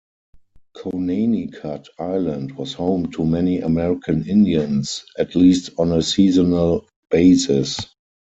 Conanicut Island was home to many American Indians, at least on a seasonal basis.